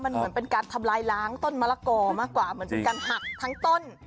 มันเหมือนเป็นการทำลายล้างต้นมะละกอมากกว่าเหมือนเป็นการหักทั้งต้น